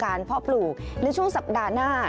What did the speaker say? ของเรื่องดูกาลพ่อปรู่และช่วงสัปดาห์หน้า